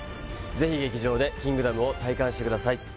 ぜひ劇場で「キングダム」を体感してください